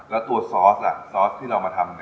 แล้วตัวซอสซอสที่เรามาทำ